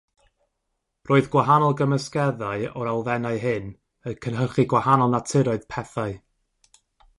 Roedd gwahanol gymysgeddau o'r elfennau hyn yn cynhyrchu gwahanol naturoedd pethau.